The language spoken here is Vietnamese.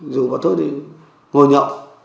dù bọn tôi thì ngồi nhậu